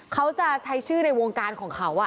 เขาจะใช้ชื่อในวงการของเขา